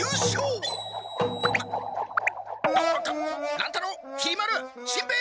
乱太郎きり丸しんべヱ！